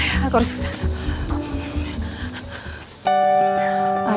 aku harus kesana